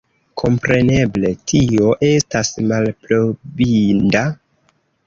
Kompreneble tio estas malaprobinda.